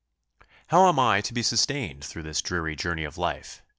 "How am I to be sustained through this dreary journey of life?"